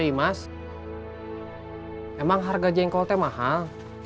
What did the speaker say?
coy mas emang harga jengkol teh mahal